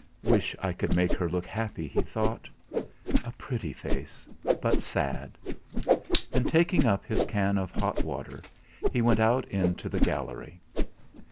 'Wish I could make her look happy!' he thought. 'A pretty face, but sad!' And taking up his can of hot water he went out into the gallery.